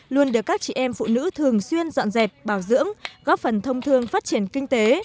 luôn được các chị em phụ nữ thường xuyên dọn dẹp bảo dưỡng góp phần thông thương phát triển kinh tế